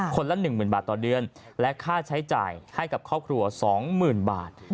ละ๑๐๐๐บาทต่อเดือนและค่าใช้จ่ายให้กับครอบครัว๒๐๐๐บาท